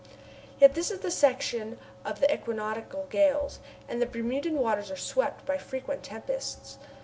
Yet this is the season of the equinoctial gales, and the Bermudan waters are swept by frequent tempests.